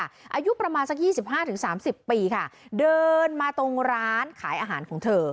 อายุประมาณสักยี่สิบห้าถึงสามสิบปีค่ะเดินมาตรงร้านขายอาหารของเธอ